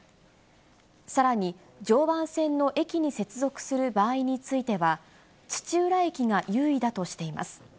さらに常磐線の駅に接続する場合については、土浦駅が優位だとしています。